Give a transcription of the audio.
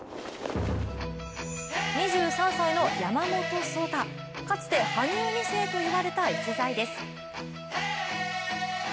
２３歳の山本草太、かつて羽生２世といわれた逸材です。